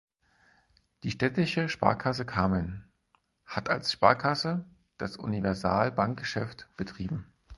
Die Städtische Sparkasse Kamen hat als Sparkasse das Universalbankgeschäft betrieben.